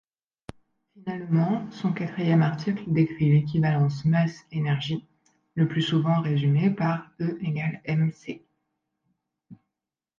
Finalement, son quatrième article décrit l'équivalence masse-énergie, le plus souvent résumée par E=mc.